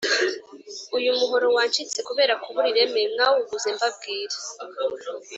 uyu muhoro wacitse kubera kubura ireme mwawuguze mbabwira!